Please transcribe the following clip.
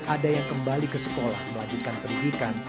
ada yang kembali ke sekolah melanjutkan pendidikan